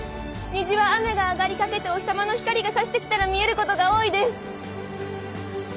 虹は雨が上がりかけてお日さまの光が差してきたら見えることが多いです。